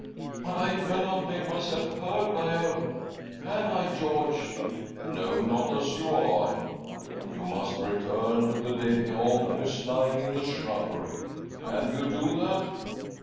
" But I cannot make myself heard by. her, can I, George ?"" No, not as you are. You must return to the David Holm who is lying in the shrubbery. Can you do that